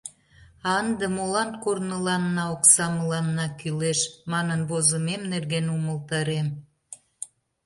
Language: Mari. — А ынде молан корныланна окса «мыланна» кӱлеш манын возымем нерген умылтарем.